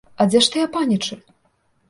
А дзе ж тыя панічы?